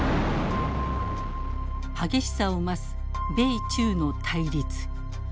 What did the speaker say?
激しさを増す米中の対立。